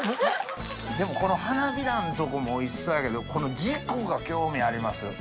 でもこのはなびらのとこもおいしそうやけどこの軸が興味あります